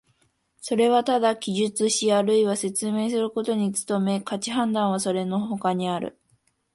それはただ記述しあるいは説明することに努め、価値判断はそれの外にある。